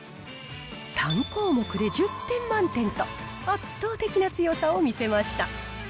３項目で１０点満点と、圧倒的な強さを見せました。